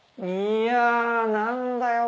いや何だよ